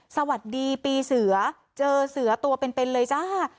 สวัสดีปีเสือเจอเสือตัวเป็นเลยจ้า